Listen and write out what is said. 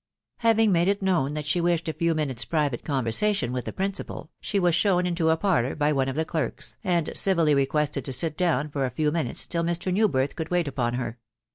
Having made it known that she wished a few minutes' private conversation with the principal., she was shown into a parlour by one of the clerks, and civilry voossestod to sit down for a few minutes till Mr. Newhhiti oould wait upon her.